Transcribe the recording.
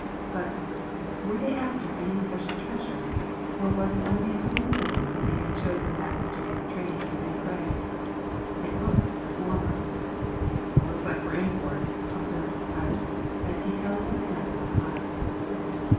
But, were they after any special treasure, or was it only a coincidence that they had chosen that particular train for their prey? It looked the former. "Looks like we're in for it," observed the fireman, as he held his hands on high.